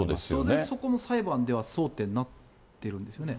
当然、そこも裁判では争点になってるんですよね。